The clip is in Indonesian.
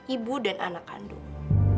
ibu dan anak kandung